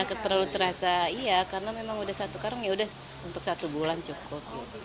nggak terlalu terasa iya karena memang udah satu karung ya udah untuk satu bulan cukup